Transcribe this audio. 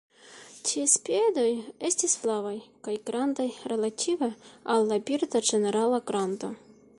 Ties piedoj estis flavaj kaj grandaj relative al la birda ĝenerala grando.